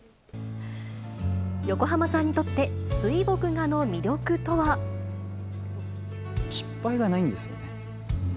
横浜さんにとって、水墨画の失敗がないんですよね。